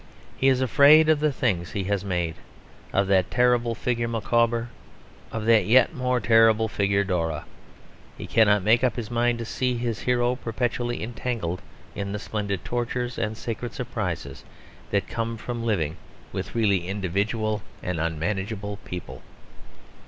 He is afraid of the things he has made; of that terrible figure Micawber; of that yet more terrible figure Dora. He cannot make up his mind to see his hero perpetually entangled in the splendid tortures and sacred surprises that come from living with really individual and unmanageable people.